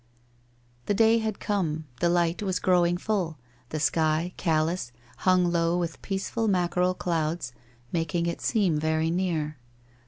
The day had come, the light was growing full, the sky, callous, hung low with peaceful mackerel clouds, making it seem very near.